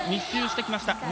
２周してきました。